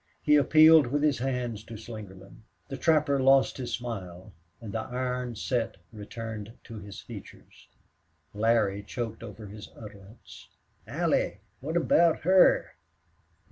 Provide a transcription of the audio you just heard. He appealed with his hands to Slingerland. The trapper lost his smile and the iron set returned to his features. Larry choked over his utterance. "Al lie! What aboot her?"